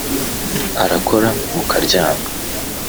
Arakora mukaryama